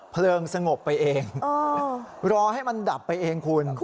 เพลิงสงบไปเองรอให้มันดับไปเองคุณ